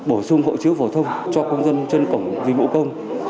bổ sung hộ chiếu phổ thông cho công dân trên cổng dịch vụ công